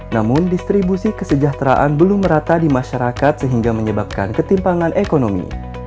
namun distribusi kesejahteraan belum merata di masyarakat sehingga menyebabkan ketimpangan ekonomi